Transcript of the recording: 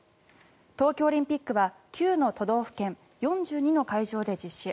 東京オリンピックは９の都道府県４２の会場で実施。